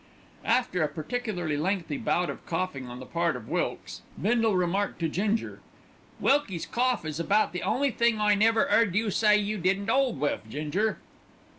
After a particularly lengthy bout of coughing on the part of Wilkes, Bindle remarked to Ginger, "Wilkie's cough is about the only thing I never 'eard you say you don't 'old wiv, Ginger."